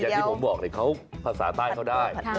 อย่างที่ผมบอกเลยเขาภาษาใต้เขาได้